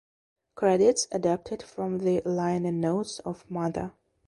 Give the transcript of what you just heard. Credits adapted from the liner notes of "Mother".